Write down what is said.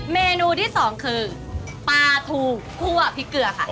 เมนูที่สองคือปลาทูคั่วพริกเกลือค่ะ